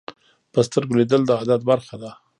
په سترګو لیدل د عادت برخه ده